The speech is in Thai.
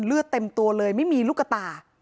เลือดเต็มตัวเลยไม่มีลูกตา